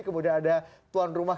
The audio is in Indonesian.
kemudian ada tuan rumah